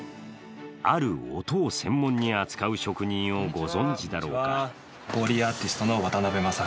ある音を専門に扱う職人をご存じだろうか。